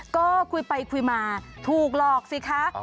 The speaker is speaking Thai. ก็คุยไปคุยมาถูกหลอกสิคะ